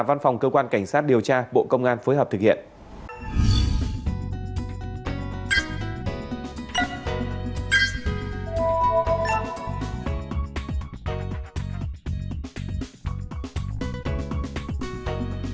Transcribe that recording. văn phòng cơ quan cảnh sát điều tra bộ công an phối hợp thực hiện